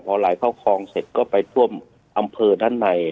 พอไหลเข้าคลองเสร็จก็ไปท่วมอำเภอด้านใน